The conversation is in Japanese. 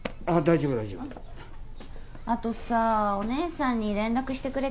あとさお姉さんに連絡してくれた？